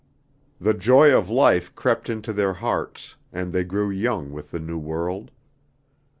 The joy of life crept into their hearts, and they grew young with the new world.